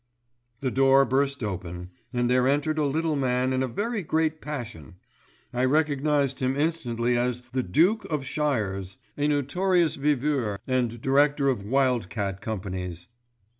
The door burst open and there entered a little man in a very great passion. I recognised him instantly as the Duke of Shires, a notorious viveur and director of wild cat companies.